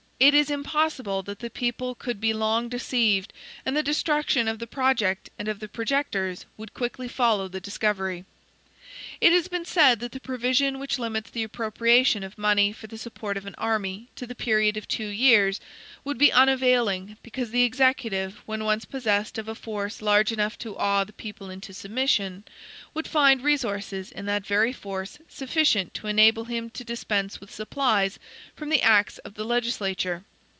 It is impossible that the people could be long deceived; and the destruction of the project, and of the projectors, would quickly follow the discovery. It has been said that the provision which limits the appropriation of money for the support of an army to the period of two years would be unavailing, because the Executive, when once possessed of a force large enough to awe the people into submission, would find resources in that very force sufficient to enable him to dispense with supplies from the acts of the legislature.